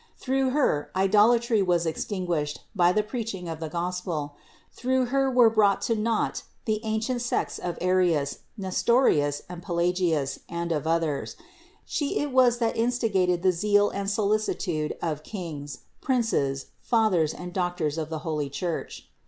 Through Her idolatry was extinguished by the preaching of the Gos pel; through Her were brought to naught the ancient sects of Arius, Nestorius and Pelagius and of others; She it was that instigated the zeal and solicitude of kings, princes, fathers, and doctors of the holy Church.